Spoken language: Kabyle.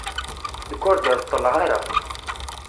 Nekk ur d-reṭṭleɣ ara.